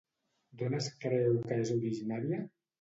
D'on es creu que és originària?